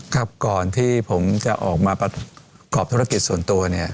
ครับก่อนที่ผมจะออกมาประกอบธุรกิจส่วนตัวเนี่ย